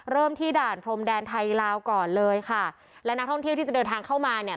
ที่ด่านพรมแดนไทยลาวก่อนเลยค่ะและนักท่องเที่ยวที่จะเดินทางเข้ามาเนี่ย